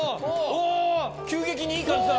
急激にいい感じだ！